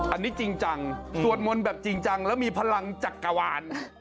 อันนี้จริงจังสวดมนต์แบบจริงจังแล้วมีพลังจักรวาล